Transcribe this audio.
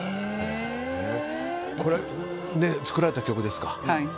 これが作られた曲ですか。